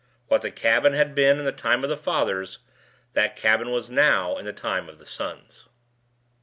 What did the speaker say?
What the cabin had been in the time of the fathers, that the cabin was now in the time of the sons.